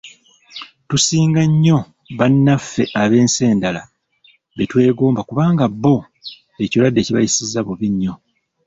Tusinga nnyo bannaffe ab'ensi endala be twegomba kubanga bbo ekirwadde kibayisiza bubi nnyo.